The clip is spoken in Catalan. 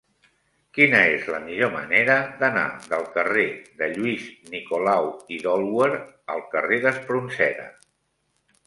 Quina és la millor manera d'anar del carrer de Lluís Nicolau i d'Olwer al carrer d'Espronceda?